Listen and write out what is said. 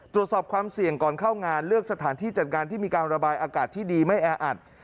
ตรวจสอบความเสี่ยงก่อนเข้างานเลือกสถานที่จัดงานที่มีการระบายอากาศที่ดีไม่แออัด